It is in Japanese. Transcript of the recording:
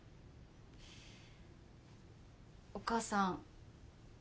お母さん。